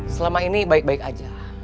selama ini baik baik aja